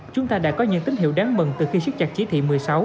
chúng ta đã có những tín hiệu đáng mừng từ khi siết chặt chỉ thị một mươi sáu